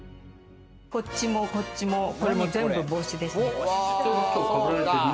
こっちもこっちも全部帽子ですね。